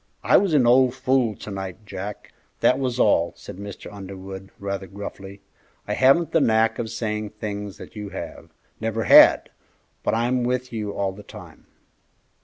"I was an old fool to night, Jack; that was all," said Mr. Underwood, rather gruffly. "I haven't the knack of saying things that you have, never had, but I'm with you all the time."